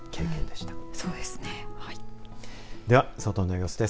では外の様子です。